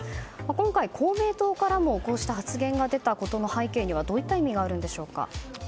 今回公明党からも発言が出た背景にはどういった意味があるんでしょうか。